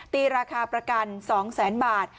ตีราคาประกัน๒แสนบาท